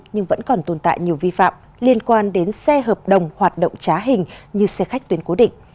nhưng vẫn còn tồn tại nhiều vi phạm liên quan đến xe hợp đồng hoạt động trá hình như xe khách tuyến cố định